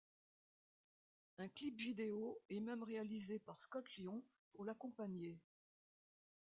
Un clip vidéo est même réalisé par Scott Lyon pour l'accompagner.